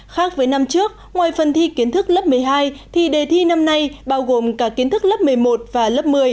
khác với năm trước ngoài phần thi kiến thức lớp một mươi hai thì đề thi năm nay bao gồm cả kiến thức lớp một mươi một và lớp một mươi